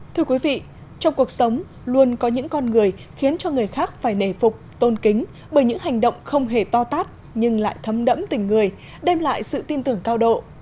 thưa quý vị trong cuộc sống luôn có những con người khiến cho người khác phải nề phục tôn kính bởi những hành động không hề to tát nhưng lại thấm đẫm tình người đem lại sự tin tưởng cao độ